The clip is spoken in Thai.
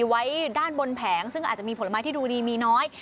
ไว้ด้านบนแผงซึ่งอาจจะมีผลไม้ที่ดูดีมีน้อย